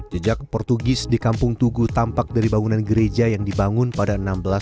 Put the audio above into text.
jejak portugis di kampung tugu tampak dari bangunan gereja yang dibangun pada seribu enam ratus tujuh puluh